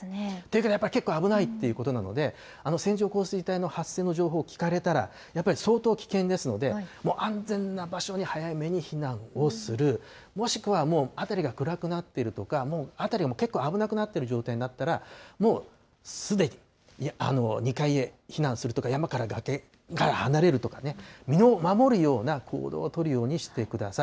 やっぱり結構危ないということなので、線状降水帯の発生の情報を聞かれたら、やっぱり相当危険ですので、もう安全な場所に早めに避難をする、もしくは辺りが暗くなっているとか、もう辺りは結構危なくなっている状況だったら、もうすでに、２階へ避難するとか、山から崖から離れるとかね、身を守るような行動を取るようにしてください。